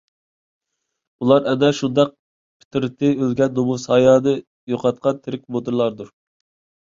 ئۇلار ئەنە شۇنداق پىترىتى ئۆلگەن، نۇمۇس - ھايانى يوقاتقان تىرىك مۇردىلاردۇر.